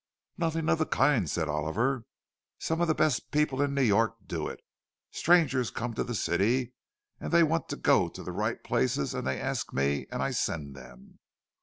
"Nothing of the kind," said Oliver. "Some of the best people in New York do it. Strangers come to the city, and they want to go to the right places, and they ask me, and I send them.